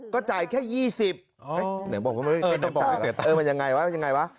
ก็จ่ายแค่๒๐มิถุนายนเออมันยังไงวะ